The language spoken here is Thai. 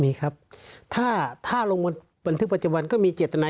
มีครับถ้าลงบันทึกประจำวันก็มีเจตนา